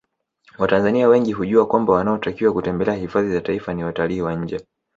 Watanzania wengi hujua kwamba wanaotakiwa kutembelea hifadhi za Taifa ni watalii wa nje